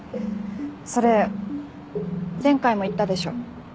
それ前回も言ったでしょ？